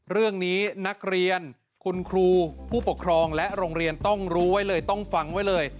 เรื่องนี้นักเรียนคุณครูผู้ปกครองและโรงเรียนต้องรู้ไว้เลยต้องฟังไว้เลย